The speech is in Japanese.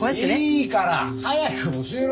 いいから早く教えろよ！